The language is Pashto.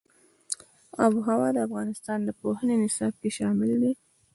آب وهوا د افغانستان د پوهنې نصاب کې شامل دي.